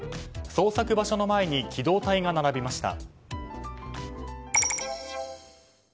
捜索場所の前に機動隊が並びました。